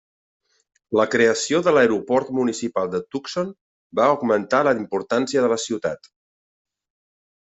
La creació de l'aeroport municipal de Tucson va augmentar la importància de la ciutat.